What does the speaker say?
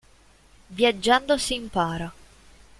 Viaggiando si impara".